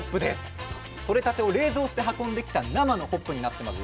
取れたてを冷蔵して運んできた生のホップになってます。